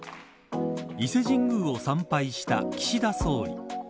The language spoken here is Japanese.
伊勢神宮を参拝した岸田総理。